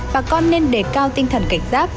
bà con nên đề cao tinh thần cảnh giác